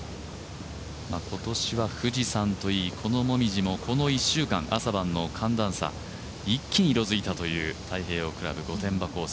今年は富士山といい、この紅葉もこの１週間、朝晩の寒暖差一気に色づいたという太平洋クラブ御殿場コース。